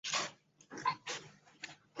治所在今云南昆明市西郊马街。